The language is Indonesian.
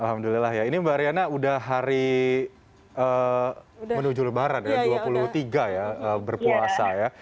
alhamdulillah ya ini mbak riana udah hari menuju lebaran ya dua puluh tiga ya berpuasa ya